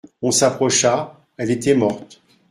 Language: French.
On s'approcha, elle était morte.